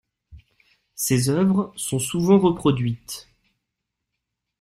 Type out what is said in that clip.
Ses œuvres sont souvent reproduites.